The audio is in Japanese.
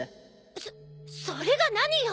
そそれが何よ！